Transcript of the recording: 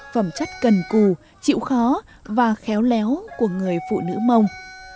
phẩm chất cần cù chịu khó và khéo léo của người phụ nữ mông